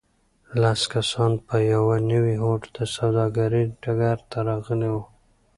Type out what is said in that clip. لس کسان په یوه نوي هوډ د سوداګرۍ ډګر ته راغلي وو.